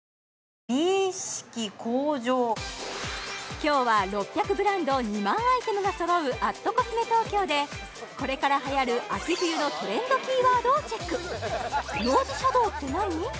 今日は６００ブランド２万アイテムが揃う＠ｃｏｓｍｅＴＯＫＹＯでこれから流行る秋冬のトレンドキーワードをチェックノーズシャドウって何？